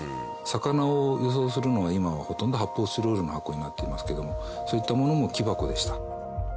魚を輸送するのは今はほとんど発泡スチロールの箱になっていますけどもそういったものも木箱でした。